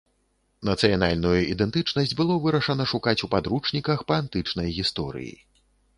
Нацыянальную ідэнтычнасць было вырашана шукаць у падручніках па антычнай гісторыі.